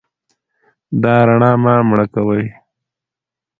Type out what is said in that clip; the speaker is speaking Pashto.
دا رڼا مه مړه کوئ.